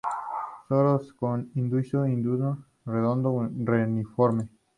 Soros con indusio, indusio redondo-reniforme.